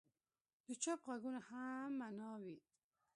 د چوپ ږغونو هم معنی وي.